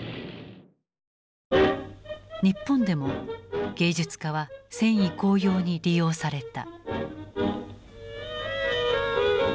日本でも芸術家は戦意高揚に利用された。